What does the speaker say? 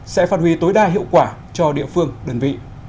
sẽ phát huy tối đa hiệu quả cho địa phương đơn vị